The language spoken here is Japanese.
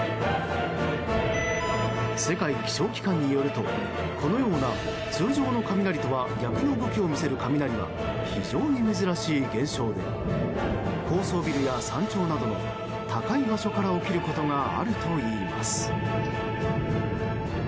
世界気象機関によるとこのような通常の雷とは逆の動きを見せる雷は非常に珍しい現象で高層ビルや山頂などの高い場所から起きることがあるといいます。